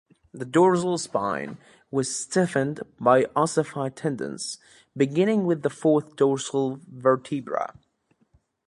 The dorsal spine was stiffened by ossified tendons, beginning with the fourth dorsal vertebra.